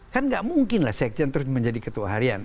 kan nggak mungkin lah sekjen terus menjadi ketua harian